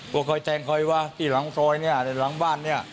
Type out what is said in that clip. ว่าใครแทงใครวะที่หลังซอยเนี่ยหลังบ้านเนี่ย